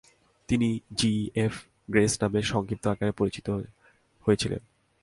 তিনি G. F. Grace নামে সংক্ষিপ্ত আকারে পরিচিত হয়েছিলেন।